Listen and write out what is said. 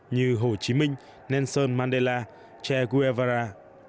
như hồ chí minh nelson mandela che guevara